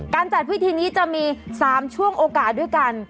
จัดพิธีนี้จะมี๓ช่วงโอกาสด้วยกัน